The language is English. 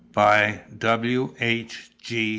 By W. H. G.